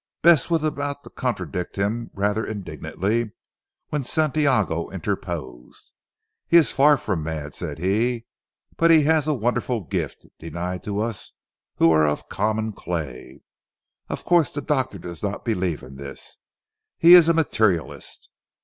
Bess was about to contradict him rather indignantly when Santiago interposed. "He is far from mad," said he, "but he has a wonderful gift, denied to us who are of common clay. Of course the doctor does not believe in this. He is a materialist."